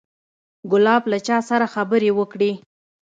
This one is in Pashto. ګلاب له چا سره خبرې وکړې.